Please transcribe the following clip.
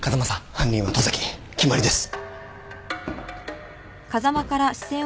犯人は十崎決まりです。